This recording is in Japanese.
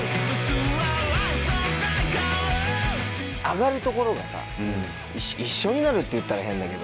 上がるところがさ一緒になるっていったら変だけど。